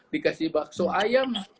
dikasih bakso ayam